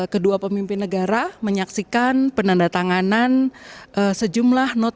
kedua pemimpin negara menyaksikan penandatanganan